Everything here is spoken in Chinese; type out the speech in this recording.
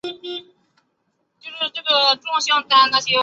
她也成为中国历史上第一位女性律师。